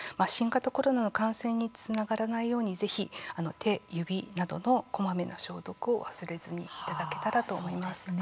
新型コロナの感染につながらないように、ぜひ手、指などのこまめな消毒を忘れずにいただけたらと思います。